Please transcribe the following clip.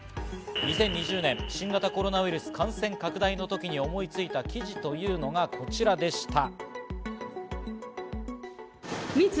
２０２０年、新型コロナウイルス感染拡大のときに思いついた記事というのがこちらでした。